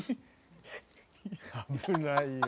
「危ないよ。